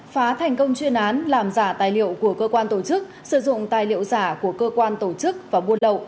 phá thành công chuyên án làm giả tài liệu của cơ quan tổ chức sử dụng tài liệu giả của cơ quan tổ chức và buôn lậu